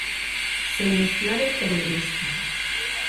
Se inició en el periodismo.